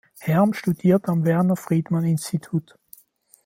Herm studierte am "Werner-Friedmann-Institut".